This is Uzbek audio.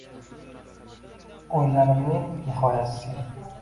Oʼylarimning nihoyasi sen